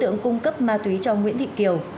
nâng cấp ma túy cho nguyễn thị kiều